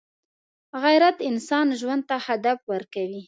غیرت انسان ژوند ته هدف ورکوي